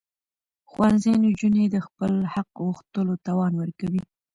ښوونځي نجونې د خپل حق غوښتلو توان ورکوي.